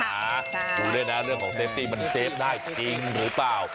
ดูด้วยนะเรื่องของเซฟตี้มันเซฟได้จริงหรือเปล่า